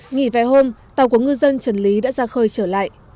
nghỉ về hôm tàu của ngư dân trần lý đã ra khơi trở lại